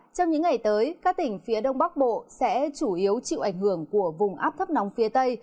trong những ngày tới các tỉnh phía đông bắc bộ sẽ chủ yếu chịu ảnh hưởng của vùng áp thấp nóng phía tây